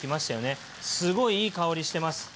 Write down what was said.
すごいいい香りしてます。